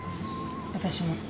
私も。